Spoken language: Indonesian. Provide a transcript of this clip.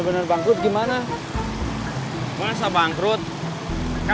lo lupa gang kaki luncur api barunya